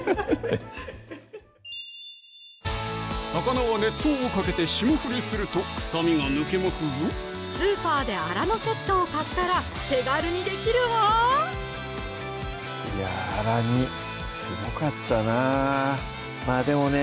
魚は熱湯をかけて霜降りすると臭みが抜けますぞスーパーであらのセットを買ったら手軽にできるわいやぁあら煮すごかったなまぁでもね